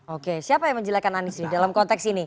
oke siapa yang menjelekkan anies dalam konteks ini